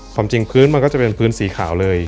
ความจริงพื้นมันก็จะเป็นพื้นสีขาวเลย